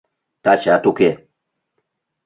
Тачат уке...